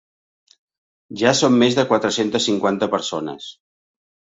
Ja som més de quatre-centes cinquanta persones.